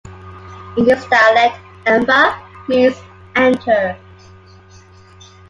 In this dialect "Emba" means "enter".